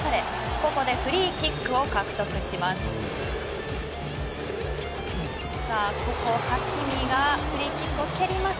ここでフリーキックを獲得します。